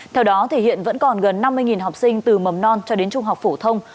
theo đó thể hiện vẫn còn gần năm mươi học sinh từ mầm non cho đến trung học phổ thông